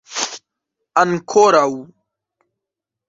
ankoraŭ